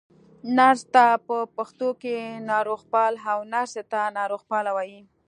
نرس ته په پښتو کې ناروغپال، او نرسې ته ناروغپاله وايي.